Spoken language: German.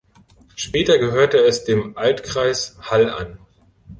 Später gehörte es dem Altkreis Hall an.